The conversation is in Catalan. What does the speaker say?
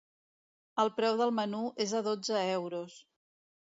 El preu del menú és de dotze euros.